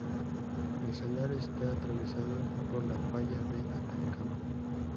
El salar esta atravesado por la Falla de Atacama.